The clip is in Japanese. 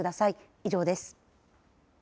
以上です。